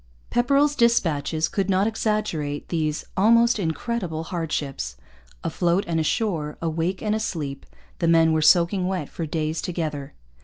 Pepperrell's dispatches could not exaggerate these 'almost incredible hardships.' Afloat and ashore, awake and asleep, the men were soaking wet for days together.